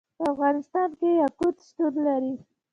په افغانستان کې یاقوت شتون لري.